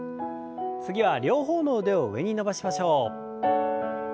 次は両方の腕を上に伸ばしましょう。